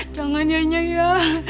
jangan nyah nyah ya